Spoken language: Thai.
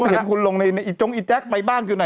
เห็นคุณลงในตรงอีแจ๊กไปบ้างอยู่นะ